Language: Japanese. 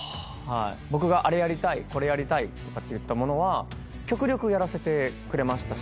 僕があれやりたいこれやりたいとかって言ったものは極力やらせてくれましたし。